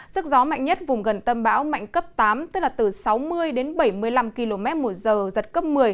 sức gió mạnh nhất vùng gần tâm bão mạnh cấp tám tức là từ sáu mươi đến bảy mươi năm km một giờ giật cấp một mươi